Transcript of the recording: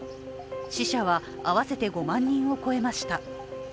死者は合わせて５万人を超えました。